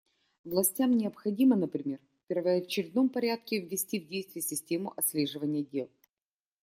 Властям необходимо, например, в первоочередном порядке ввести в действие систему отслеживания дел.